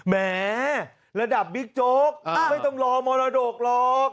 แหมระดับบิ๊กโจ๊กไม่ต้องรอมรดกหรอก